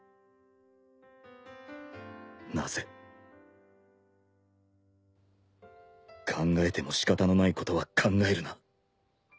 なぜ考えてもしかたのないことは考えるな